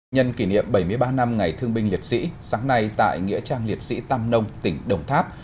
nhân kỷ niệm bảy mươi ba năm ngày thương binh liệt sĩ sáng nay tại nghĩa trang liệt sĩ tam nông tỉnh đồng tháp